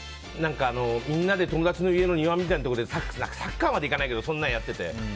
みんなで友達の家の庭みたいなところでサッカーまではいかないけどそんなのやってて。